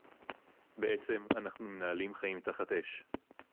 בעצם אנחנו מנהלים חיים תחת אש